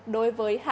đối với hạ thịnh